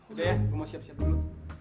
udah ya kamu mau siap siap dulu